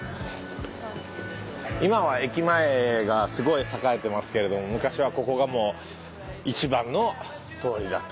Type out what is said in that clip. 今は駅前がすごい栄えてますけれども昔はここがもう一番の通りだったと。